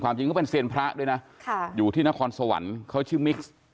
จริงก็เป็นเซียนพระด้วยนะอยู่ที่นครสวรรค์เขาชื่อมิกซ์